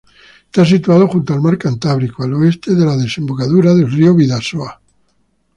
Está situado junto al Mar Cantábrico, al oeste de la desembocadura del río Bidasoa.